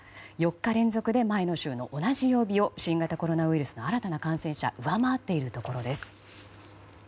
４日連続で前の週の同じ曜日を新型コロナウイルスの新たな感染者が上回っているところです。